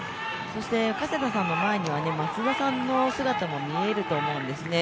加世田さんの前には松田さんの姿も見えると思うんですね。